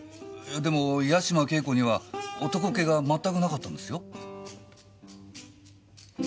でも八島景子には男っ気がまったくなかったんですよ？